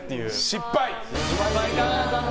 失敗！